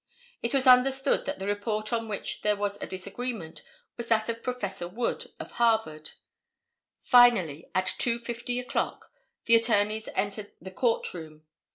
It was understood that the report upon which there was a disagreement was that of Professor Wood, of Harvard. Finally, at 2:50 o'clock, the attorneys entered the court room.